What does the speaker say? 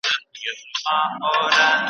چي را لوی سم په کتاب کي مي لوستله `